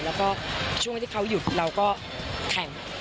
แล้วก็ช่วงที่เขาหยุดเราก็แข่ง